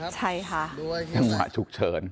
จังหวะฉุกเฉิน